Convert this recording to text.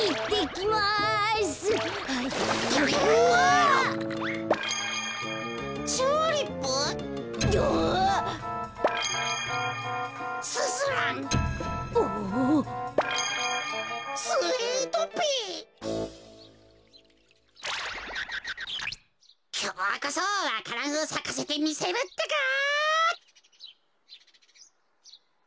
きょうこそわか蘭をさかせてみせるってか。